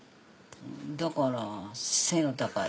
だから背が高い。